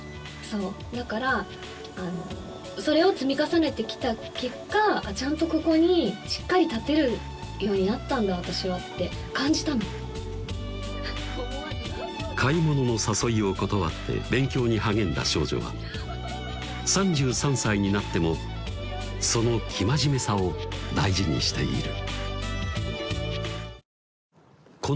そうだからあのそれを積み重ねてきた結果「ちゃんとここにしっかり立てるようになったんだ私は」って感じたの買い物の誘いを断って勉強に励んだ少女は３３歳になってもその生真面目さを大事にしている